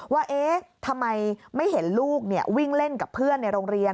ว่าเอ๊ะทำไมไม่เห็นลูกวิ่งเล่นกับเพื่อนในโรงเรียน